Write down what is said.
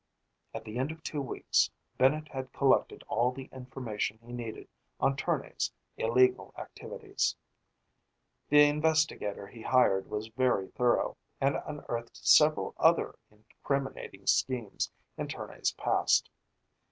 At the end of two weeks, Bennett had collected all the information he needed on Tournay's illegal activities. The investigator he hired was very thorough, and unearthed several other incriminating schemes in Tournay's past.